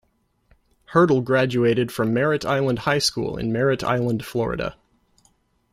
Hurdle graduated from Merritt Island High School in Merritt Island, Florida.